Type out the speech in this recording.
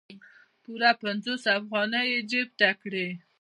پوره پنځوس افغانۍ یې جیب ته کړې.